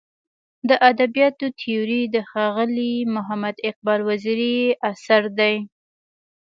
د ادبیاتو تیوري د ښاغلي محمد اقبال وزیري اثر دی.